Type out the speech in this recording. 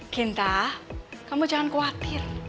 kinta kamu jangan khawatir